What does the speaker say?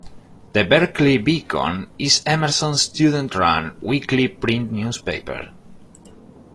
"The Berkeley Beacon" is Emerson's student-run, weekly print newspaper.